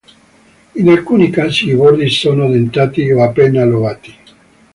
In alcuni casi i bordi sono dentati o appena lobati.